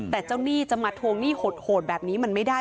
แต่เจ้าหนี้จะมาทวงหนี้โหดแบบนี้มันไม่ได้